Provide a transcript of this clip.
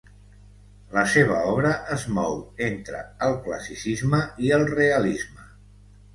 La seva obra es mou entre el classicisme i el realisme.